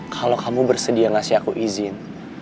kalau kamu bersedia ngasih aku izin